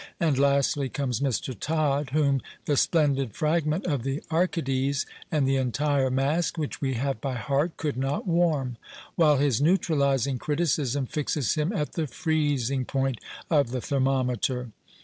And lastly comes Mr. Todd, whom the splendid fragment of the "Arcades," and the entire Masque, which we have by heart, could not warm; while his neutralising criticism fixes him at the freezing point of the thermometer.